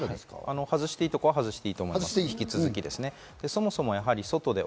外していいところは外していいと、引き続き思います。